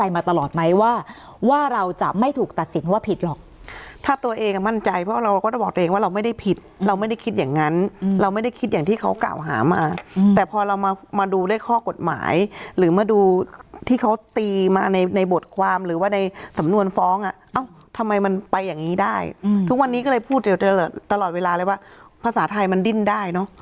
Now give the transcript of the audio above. มาตลอดไหมว่าเราจะไม่ถูกตัดสินว่าผิดหรอกถ้าตัวเองมั่นใจเพราะเราก็จะบอกตัวเองว่าเราไม่ได้ผิดเราไม่ได้คิดอย่างนั้นเราไม่ได้คิดอย่างที่เขากล่าวหามาแต่พอเรามาดูด้วยข้อกฎหมายหรือมาดูที่เขาตีมาในในบทความหรือว่าในสำนวนฟ้องอ่ะเอ้าทำไมมันไปอย่างนี้ได้ทุกวันนี้ก็เลยพูดตลอดเวลาเลยว่าภาษาไทยมันดิ้นได้เนอะ